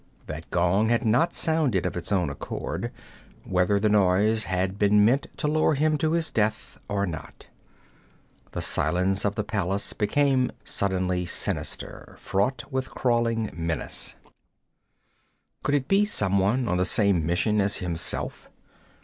That gong had not sounded of its own accord, whether the noise had been meant to lure him to his death, or not. The silence of the palace became suddenly sinister, fraught with crawling menace. Could it be someone on the same mission as himself?